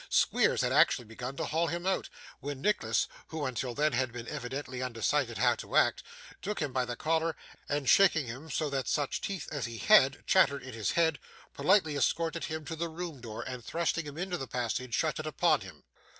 Squeers had actually begun to haul him out, when Nicholas (who, until then, had been evidently undecided how to act) took him by the collar, and shaking him so that such teeth as he had, chattered in his head, politely escorted him to the room door, and thrusting him into the passage, shut it upon him.